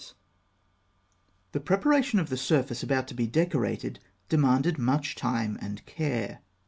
] The preparation of the surface about to be decorated demanded much time and care.